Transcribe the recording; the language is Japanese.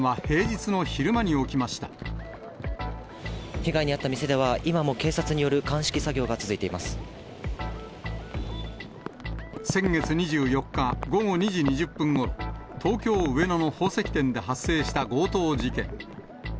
被害に遭った店では、今も警先月２４日、午後２時２０分ごろ、東京・上野の宝石店で発生した強盗事件。